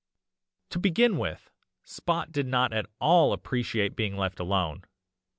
"To begin with, Spot did not at all appreciate being left alone.